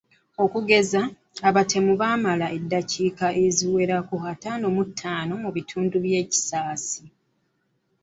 Okugeza, abatemu baamala eddakiika eziwera ataano mu ttaano mu bitundu bya Kisaasi.